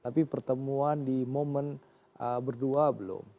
tapi pertemuan di momen berdua belum